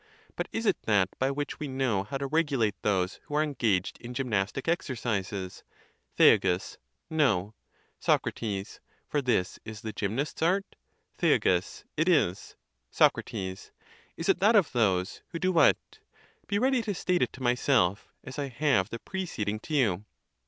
But is it that, by which we know how to regulate those, who are engaged in gymnastic exercises ? Thea. No. Soc. For this is the gymnast's art. Thea. It is. Soc. Is it that of those, who do what? Be ready to state it to myself, as I have the preceding to you.